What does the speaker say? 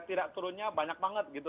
tidak turunnya banyak banget gitu